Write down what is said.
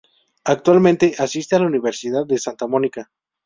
Actualmente asiste a la Universidad de Santa Mónica.